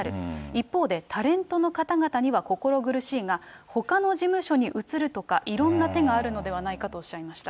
一方で、タレントの方々には心苦しいが、ほかの事務所に移るとか、いろんな手があるのではないかとおっしゃいました。